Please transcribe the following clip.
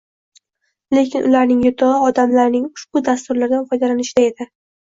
Lekin ularning yutugʻi odamlarning ushbu dasturlardan foydalanishida edi.